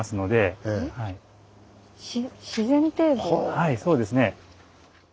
はいそうですね。